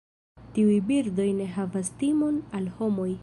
Tiuj birdoj ne havas timon al homoj.